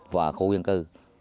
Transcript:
và khu dân cư